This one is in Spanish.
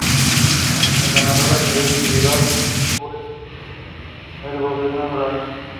El ganador a nivel individual fue el colombiano Gregorio Ladino.